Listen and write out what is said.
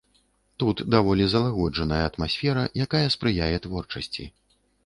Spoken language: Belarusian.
Тут даволі залагоджаная атмасфера, якая спрыяе творчасці.